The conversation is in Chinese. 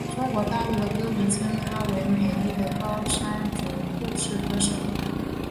中国大陆的歌迷称她为美丽的高山族护士歌手。